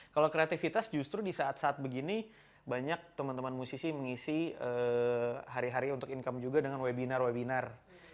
kalau kreativitas justru di saat saat begini banyak teman teman musisi mengisi hari hari untuk income juga dengan webinar webinar